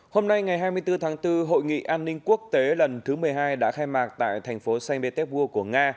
hôm nay ngày hai mươi bốn tháng bốn hội nghị an ninh quốc tế lần thứ một mươi hai đã khai mạc tại thành phố saint petersburg của nga